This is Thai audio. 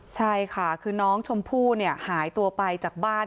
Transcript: ใช่ค่ะคือน้องชมพู่หายตัวไปจากบ้าน